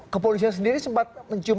kepolisian sendiri sempat mencium